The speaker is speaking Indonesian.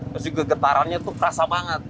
terus juga getarannya tuh kerasa banget